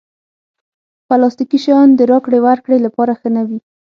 پلاستيکي شیان د راکړې ورکړې لپاره ښه نه وي.